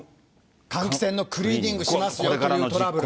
換気扇のクリーニングしますよというトラブル。